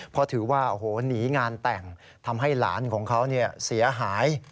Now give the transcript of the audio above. เพราะถือว่าโอ้โหหนีงานแต่งทำให้หลานของเขาเสียหาย